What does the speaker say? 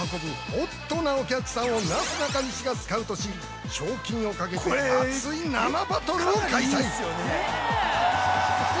ホットなお客さんをなすなかにしがスカウトし、賞金をかけて熱い生バトルを開催。